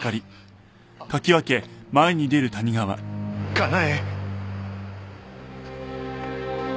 佳苗。